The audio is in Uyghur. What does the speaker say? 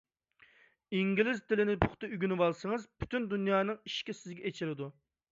ئىنگلىز تىلىنى پۇختا ئۆگىنىۋالسىڭىز، پۈتۈن دۇنيانىڭ ئىشىكى سىزگە ئېچىلىدۇ.